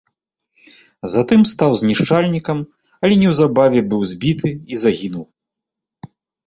Затым стаў знішчальнікам, але неўзабаве быў збіты і загінуў.